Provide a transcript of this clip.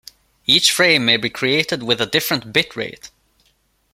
Each frame may be created with a different bit rate.